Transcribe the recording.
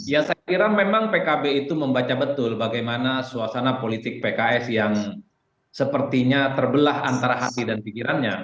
ya saya kira memang pkb itu membaca betul bagaimana suasana politik pks yang sepertinya terbelah antara hati dan pikirannya